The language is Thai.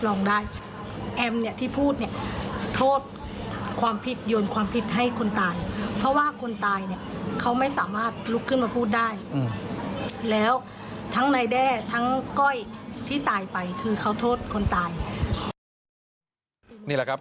นี่แหละครับ